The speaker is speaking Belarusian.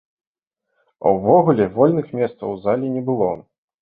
А ўвогуле, вольных месцаў у зале не было!